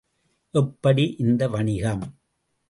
எப்படி, இந்த வணிகம்?